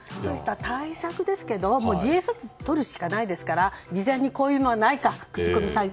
対策ですが自衛をとるしかないですから事前にこういうものはないか。